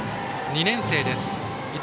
２年生です。